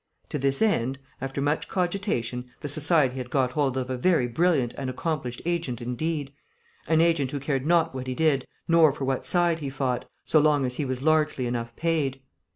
To this end, after much cogitation, the society had got hold of a very brilliant and accomplished agent indeed; an agent who cared not what he did nor for what side he fought, so long as he was largely enough paid.